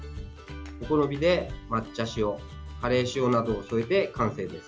お好みで、抹茶塩カレー塩などを添えて完成です。